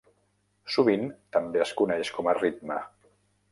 Sovint també es coneix com a ritme.